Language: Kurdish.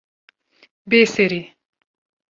Bê Serî